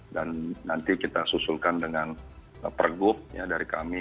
dan nanti kita susulkan dengan per group dari kami